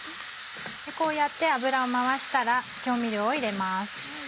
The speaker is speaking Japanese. こうやって油を回したら調味料を入れます。